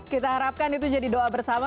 kita harapkan itu jadi doa bersama